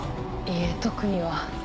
いえ特には。